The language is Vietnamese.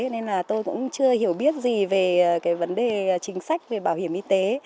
nên là tôi cũng chưa hiểu biết gì về cái vấn đề chính sách về bảo hiểm y tế